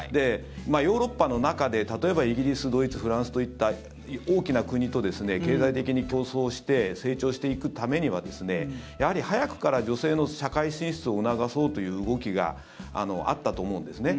ヨーロッパの中で例えば、イギリス、ドイツフランスといった大きな国と経済的に競争して成長していくためにはやはり早くから女性の社会進出を促そうという動きがあったと思うんですね。